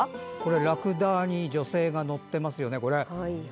ラクダに女性が乗っていますよね。